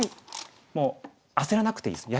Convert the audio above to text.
もう焦らなくていいです。